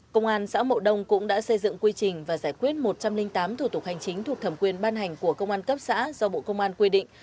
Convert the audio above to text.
công an xã mậu đông cũng đã xây dựng quy trình và giải quyết một trăm linh tám thủ tục hành chính thuộc thẩm quyền ban hành của công an cấp xã do bộ công an quy định